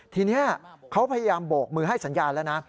ทีนี้เขาพยายามโบกมือให้สัญญาณแล้วนะ